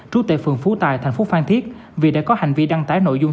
trú tại phường phú tài thành phố phan thiết vì đã có hành vi đăng tải nội dung